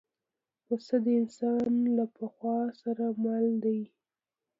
پسه د انسان له پخوا سره مل دی.